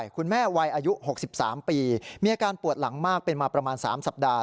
วัยอายุ๖๓ปีมีอาการปวดหลังมากเป็นมาประมาณ๓สัปดาห